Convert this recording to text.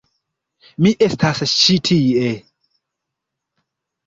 Mi estas ĉi tie...